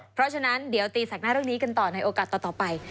เพราะฉะนั้นเดี๋ยวตีแสกหน้าเรื่องนี้กันต่อในโอกาสต่อไป